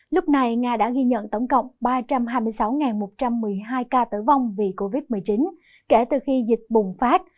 lúc này nga đã ghi nhận tổng cộng ba trăm hai mươi sáu một trăm một mươi hai ca tử vong vì covid một mươi chín kể từ khi dịch bùng phát